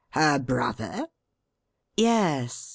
"Her brother?" "Yes.